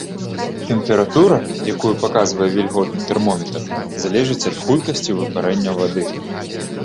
Тэмпература, якую паказвае вільготны тэрмометр, залежыць ад хуткасці выпарэння вады.